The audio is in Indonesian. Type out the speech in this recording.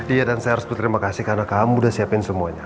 iya dan saya harus berterima kasih karena kamu udah siapin semuanya